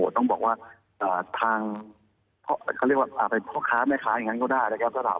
ต้องบอกว่าให้ท้องเขาค้าแม่ค้าอย่างนั้นก็ได้นะครับ